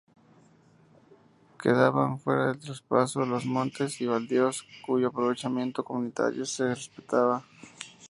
Quedaban fuera del traspaso los montes y baldíos cuyo aprovechamiento comunitario se respetaba.